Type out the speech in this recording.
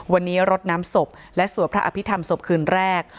วันนี้รดน้ำศพและสวดพระอภิษฐรรมศพคืนแรก